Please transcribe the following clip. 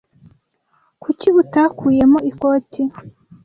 Kuki utakuyemo ikoti?